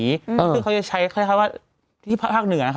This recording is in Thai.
ซึ่งเขาจะใช้คล้ายว่าที่ภาคเหนือนะคะ